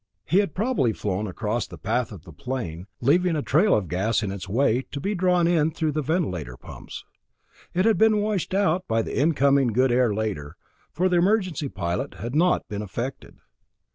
He had probably flown across the path of the plane, leaving a trail of gas in its way to be drawn in through the ventilator pumps. It had been washed out by the incoming good air later, for the emergency pilot had not been affected.